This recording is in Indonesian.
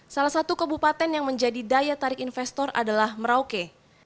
salah satu kebupaten yang menjadi daya tarik investor adalah merauke